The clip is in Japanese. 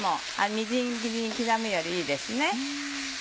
みじん切りに刻むよりいいですね。